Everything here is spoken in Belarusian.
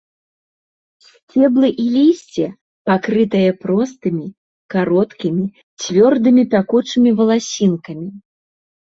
Сцеблы і лісце пакрытае простымі, кароткімі, цвёрдымі пякучымі валасінкамі.